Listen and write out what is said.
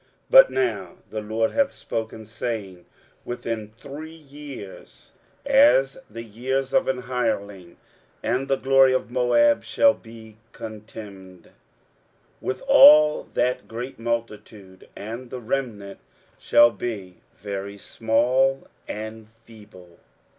23:016:014 But now the LORD hath spoken, saying, Within three years, as the years of an hireling, and the glory of Moab shall be contemned, with all that great multitude; and the remnant shall be very small and feeble.